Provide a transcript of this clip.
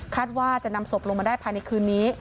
ว่าจะนำศพลงมาได้ภายในคืนนี้